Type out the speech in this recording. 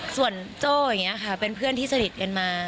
ส่วนโจ้อย่างนี้ค่ะเป็นเพื่อนที่สนิทกันมา